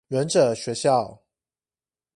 忍者學校